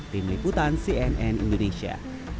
tim liputan cnn indonesia